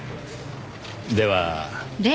では。